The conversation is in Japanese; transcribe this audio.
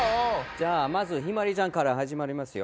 じゃあまずひまりちゃんから始まりますよ。